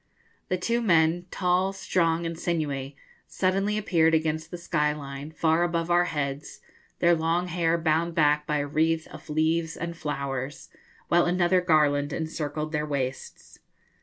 The two men, tall, strong, and sinewy, suddenly appeared against the sky line, far above our heads, their long hair bound back by a wreath of leaves and flowers, while another garland encircled their waists.